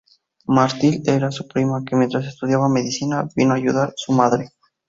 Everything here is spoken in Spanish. Mathilde era su prima, que mientras estudiaba medicina vino a ayudar a su madre.